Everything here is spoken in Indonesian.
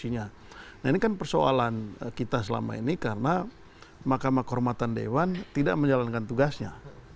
nah ini kan persoalan kita selama ini karena mahkamah kehormatan dewan tidak menjalankan tugasnya